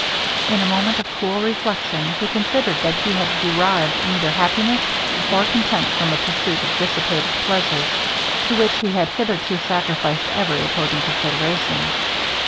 In a moment of cool reflection, he considered that he had derived neither happiness or content from the pursuit of dissipated pleasures, to which he had hitherto sacrificed every opposing consideration.